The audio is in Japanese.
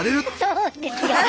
そうですよね。